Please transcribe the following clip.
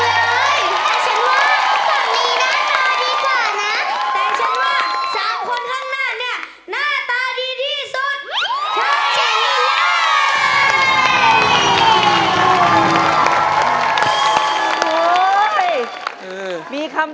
แต่ฉันว่าสามคนข้างหน้าเนี้ยหน้าตาดีที่สุด